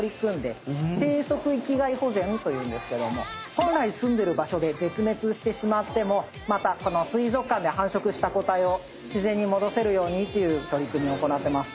本来すんでる場所で絶滅してしまってもまたこの水族館で繁殖した個体を自然に戻せるようにっていう取り組みを行ってます。